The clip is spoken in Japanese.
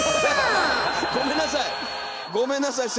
ごめんなさい！